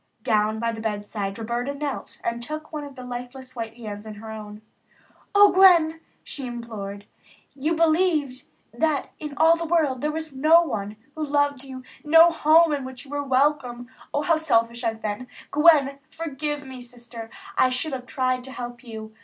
Down by the bedside Roberta knelt and took one of the lifeless white hands in her own. "Oh, Gwen," she implored, "why did you do it? You thought we didn't want you. You believed that in all the world there was no one who loved you, no home in which you were welcome. Oh, how selfish I've been! Gwen, forgive me, Sister. I should have tried to help you.